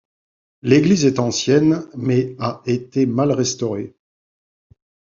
L'église est ancienne, mais a été mal restaurée.